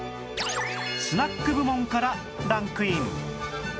スナック部門からランクイン